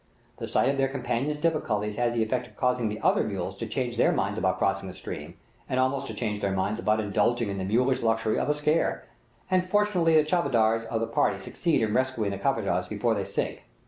The sight of their companion's difficulties has the effect of causing the other mules to change their minds about crossing the stream, and almost to change their minds about indulging in the mulish luxury of a scare; and fortunately the charvadars of the party succeed in rescuing the kajavehs before they sink.